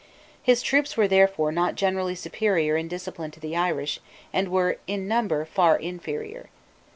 His troops were therefore not generally superior in discipline to the Irish, and were in number far inferior.